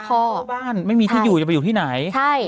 ไปก็บ้านไม่มีที่อยู่จะไปอยู่ที่ไหน